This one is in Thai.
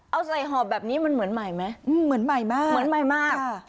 เอาใส่หอบแบบนี้มันเหมือนใหม่ไหมเหมือนใหม่มากเหมือนใหม่มาก